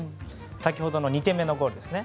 先ほどの２点目のゴールですね。